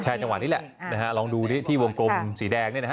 ใช่จังหวะนี้แหละลองดูที่วงกลมสีแดงนี่นะครับ